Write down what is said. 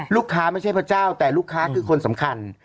ไม่ใช่พระเจ้าแต่ลูกค้าคือคนสำคัญ